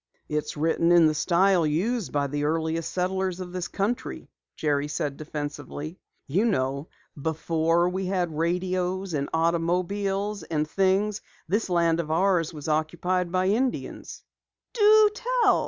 "It's written in the style used by the earliest settlers of this country," Jerry said defensively. "You know, before we had radios and automobiles and things, this land of ours was occupied by Indians." "Do tell!"